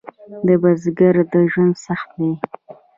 د بزګر ژوند سخت دی؟